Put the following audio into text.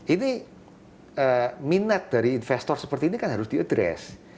ini minat dari investor seperti ini kan harus diadress